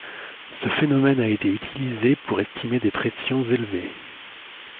Ce phénomène a été utilisé pour estimer des pressions élevées.